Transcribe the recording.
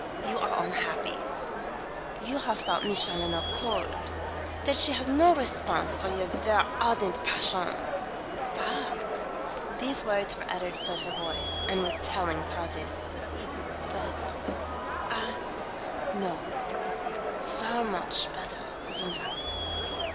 "You are unhappy. You have thought Miss Challoner cold; that she had no response for your ver ardent passion. But " these words were uttered sotto voce and with telling pauses " but I know ver much better than that.